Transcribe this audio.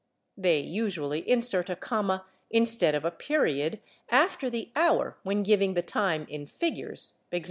They usually insert a comma instead of a period after the hour when giving the time in figures, /e.